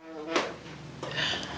kamu udah gak apa apa kan